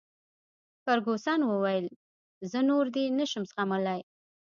فرګوسن وویل: زه نور دی نه شم زغملای.